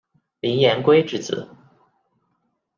林廷圭之子。